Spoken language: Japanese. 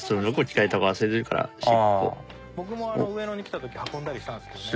僕も上野に来た時運んだりしたんですけどね。